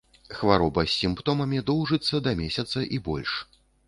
Хвароба з сімптомамі доўжыцца да месяца і больш.